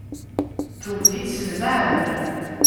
Tewwet-itt, s lmaɛun.